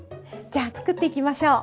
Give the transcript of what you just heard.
じゃあ作っていきましょう。